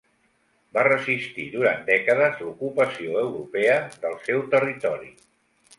Va resistir durant dècades l'ocupació europea del seu territori.